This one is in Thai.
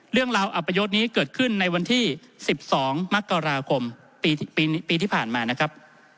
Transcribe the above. เรื่องราวอัปยศนี้เกิดขึ้นในวันที่๑๒มกราคมปีที่ผ่านมานะครับ